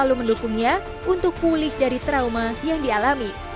lalu mendukungnya untuk pulih dari trauma yang dialami